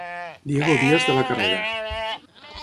Diego Díaz de la Carrera.